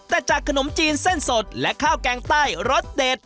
แต่จากขนมจีนเส้นสดและข้าวแกงใต้รสเด็ด